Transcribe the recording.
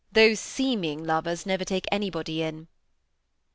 Those seeming lovers never take anybody in."